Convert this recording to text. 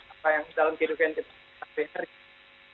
apa yang dalam kehidupan kita pikirkan